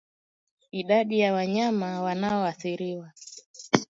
Idadi ya wanyama wanaoathiriwa